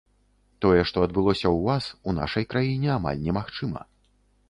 Тое, што адбылося ў вас, у нашай краіне амаль немагчыма.